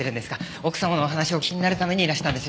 奥様のお話をお聞きになるためにいらしたんですよ。